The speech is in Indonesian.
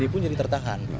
ini pun jadi tertahan